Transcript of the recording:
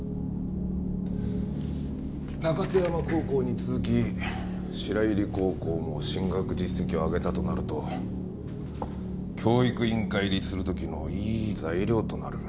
中手山高校に続き白百合高校も進学実績を上げたとなると教育委員会入りするときのいい材料となる。